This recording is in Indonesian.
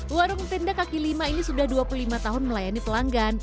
warung tenda kaki lima ini sudah dua puluh lima tahun melayani pelanggan